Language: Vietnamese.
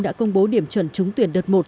đã công bố điểm chuẩn trung tuyển đợt một